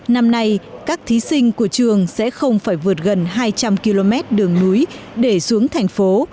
năm nay các thí sinh của trường sẽ không phải vượt gần hai trăm linh km đường núi để xuống thành phố